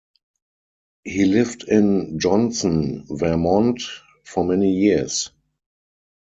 He lived in Johnson, Vermont for many years.